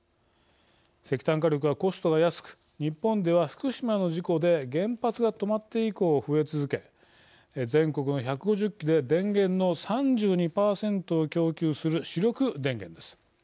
石炭火力はコストが安く日本では福島の事故で原発が止まって以降増え続け全国の１５０基で電源の３２％を供給する主力電源です。